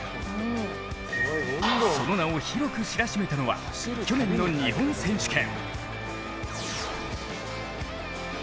その名を広く知らしめたのは去年の日本選手権。